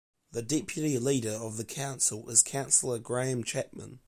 The deputy leader of the council is Councillor Graham Chapman.